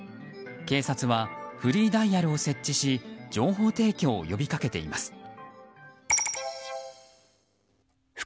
警察はフリーダイヤルを設置し情報提供を呼び掛けています。